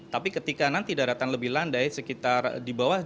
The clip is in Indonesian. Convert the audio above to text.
tapi ketika nanti daratan lebih landai sekitar di bawah